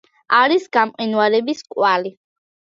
არის გამყინვარების კვალი.